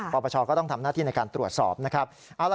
ปปชก็ต้องทำหน้าที่ในการตรวจสอบนะครับ